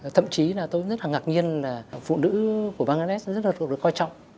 thậm chí là tôi rất là ngạc nhiên là phụ nữ của bangladesh rất là được coi trọng